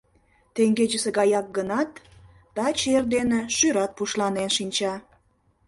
Теҥгечысе гаяк гынат, таче эрдене шӱрат пушланен шинча.